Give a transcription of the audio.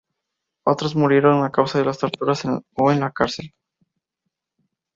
Otros murieron a causa de las torturas o en la cárcel.